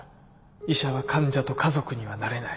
医者は患者と家族にはなれない。